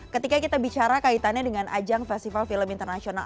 ketika kita bicara kaitannya dengan ajang festival film internasional